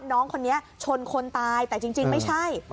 น้องคนนี้ชนคนตายแต่จริงไม่ใช่